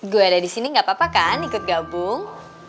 gue ada di sini gak apa apa kan ikut gabung